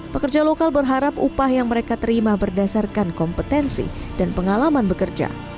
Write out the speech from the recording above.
pekerja lokal berharap upah yang mereka terima berdasarkan kompetensi dan pengalaman bekerja